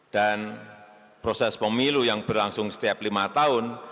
dan proses pemilu yang berlangsung setiap lima tahun